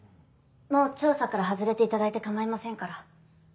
もう調査から外れていただいて構いませんから。